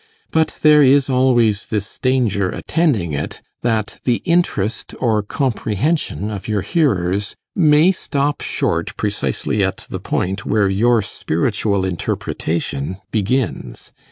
But there is always this danger attending it, that the interest or comprehension of your hearers may stop short precisely at the point where your spiritual interpretation begins.